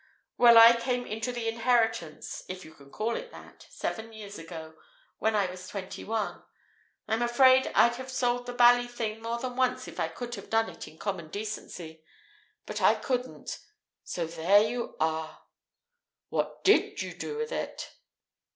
Well, I came into the inheritance (if you can call it that) seven years ago, when I was twenty one. I'm afraid I'd have sold the bally thing more than once if I could have done it in common decency. But I couldn't. So there you are!" "What did you do with it?"